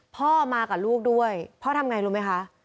พ่อมากับลูกด้วยพ่อทำไงรู้ไหมคะ